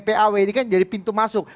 paw ini kan jadi pintu masuk